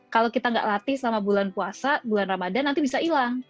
kalau kita gak latih selama bulan puasa bulan ramadhan nanti bisa hilang